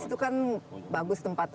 di situ kan bagus tempat